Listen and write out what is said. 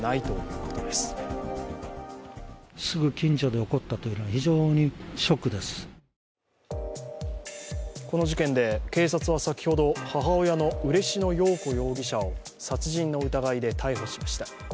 この事件で警察は先ほど、嬉野陽子容疑者を殺人の疑いで逮捕しました。